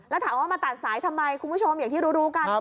แล้วถามว่ามาตัดสายทำไมคุณผู้ชมอย่างที่รู้กัน